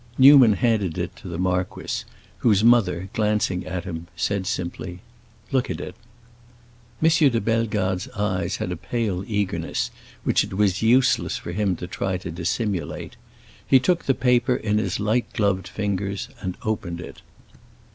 Newman handed it to the marquis, whose mother, glancing at him, said simply, "Look at it." M. de Bellegarde's eyes had a pale eagerness which it was useless for him to try to dissimulate; he took the paper in his light gloved fingers and opened it.